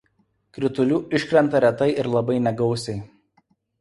Kritulių iškrenta retai ir labai negausiai.